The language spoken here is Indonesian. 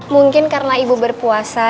mungkin karena ibu berpuasa